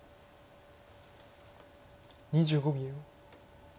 ２５秒。